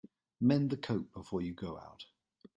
Mend the coat before you go out.